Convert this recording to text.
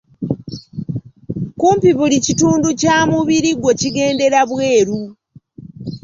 Kumpi buli kitundu kya mubiri gwo kigendera bweru.